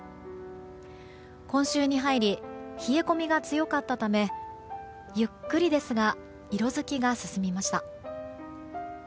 今週に入り冷え込みが強かったためゆっくりですが色づきが進みました。